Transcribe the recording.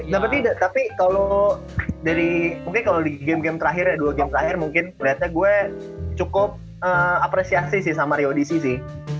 tapi tapi kalo dari mungkin kalo di game game terakhir ya dua game terakhir mungkin kelihatan gue cukup apresiasi sih sama rio odissi sih